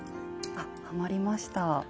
あはまりました。